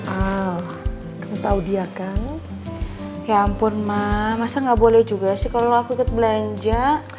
oh tahu dia kan ya ampun mah masa nggak boleh juga sih kalau aku ikut belanja